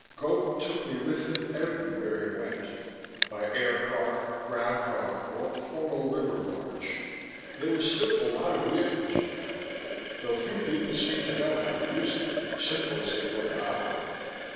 Gope took me with him everywhere he went: by air car, ground car, or formal river barge. There were still a lot of vehicles around, though few people seemed to know how to use them, simple as they were to operate.